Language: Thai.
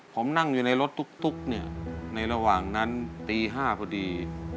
ผมนั่งอยู่ในรถตุ๊กเนี่ยในระหว่างนั้นตี๕พอดี